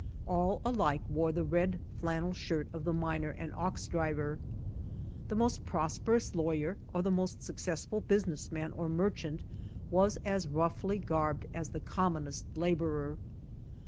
All alike wore the red flannel shirt of the miner and ox driver. The most prosperous lawyer or the most successful business man or merchant was as roughly garbed as the commonest laborer.